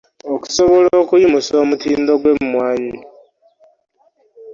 Okusobola okuyimusa omutindo gw'emmwanyi